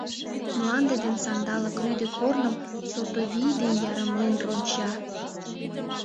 Мланде ден Сандалык рӱдӧ корным Сото вий ден ярымлен ронча.